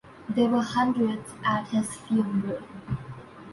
There were hundreds at his funeral.